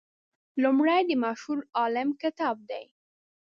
لومړی د مشهور عالم کتاب دی.